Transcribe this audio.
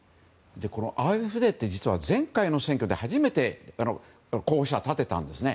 このＡｆＤって前回の選挙で初めて候補者を立てたんですね。